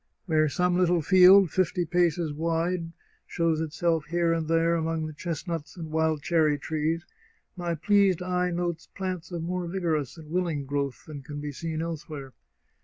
Where some little field, fifty paces wide, shows itself here and there among the chestnuts and wild 23 The Chartreuse of Parma cherry trees my pleased eye notes plants of more vigor ous and willing growth than can be seen elsewhere.